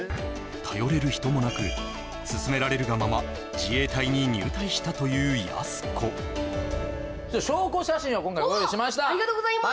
頼れる人もなく勧められるがまま自衛隊に入隊したというやす子証拠写真を今回ご用意しましたおっありがとうございます